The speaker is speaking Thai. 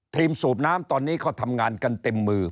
สูบน้ำตอนนี้ก็ทำงานกันเต็มมือ